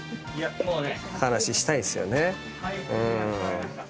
話したいっすよね。